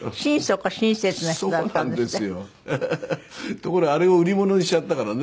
ところがあれを売り物にしちゃったからね。